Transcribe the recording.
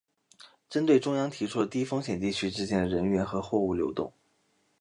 针对中央提出的低风险地区之间的人员和货物流动